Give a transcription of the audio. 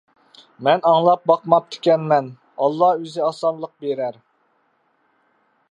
! مەن ئاڭلاپ باقماپتىكەنمەن! ئاللا ئۆزى ئاسانلىق بىرەر!